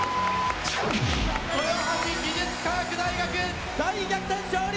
豊橋技術科学大学大逆転勝利！